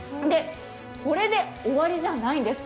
これで終わりじゃないんです。